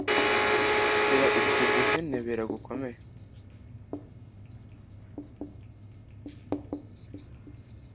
itera uku guhenebera gukomeye